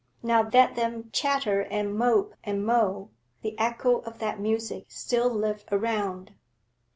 Now let them chatter and mop and mow; the echo of that music still lived around.